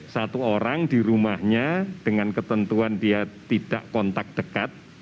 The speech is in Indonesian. satu orang di rumahnya dengan ketentuan dia tidak kontak dekat